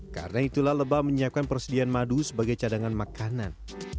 karena itulah lebah menyiapkan persediaan madu sebagai cadangan makanan